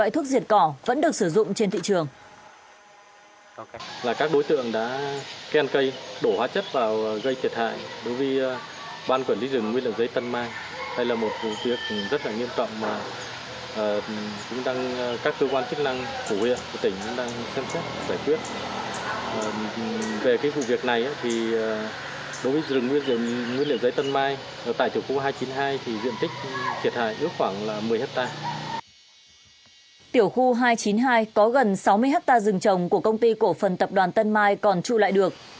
tiểu khu hai trăm chín mươi hai có gần sáu mươi hectare rừng trồng của công ty cổ phần tập đoàn tân mai còn trụ lại được